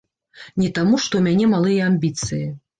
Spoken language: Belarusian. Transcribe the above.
Не таму, што ў мяне малыя амбіцыі.